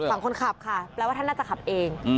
ฝั่งคนขับค่ะแปลว่าท่านน่าจะขับเอง